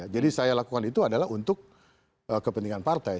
jadi saya lakukan itu adalah untuk kepentingan partai